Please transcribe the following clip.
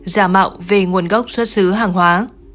giả mạo về nguồn gốc xuất xứ hàng hóa